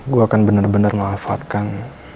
gue akan bener bener mengalihatkan